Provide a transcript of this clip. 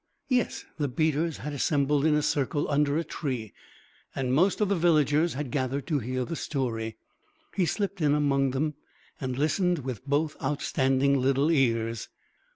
Yes, the beaters had assembled in a circle under a tree, and most of the villagers had gathered to hear the story. He slipped in among them, and listened with both outstanding little ears.